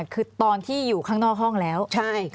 คือตอนที่อยู่ข้างนอกห้องแล้ว